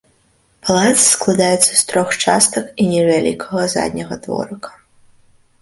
Палац складаецца з трох частак і невялікага задняга дворыка.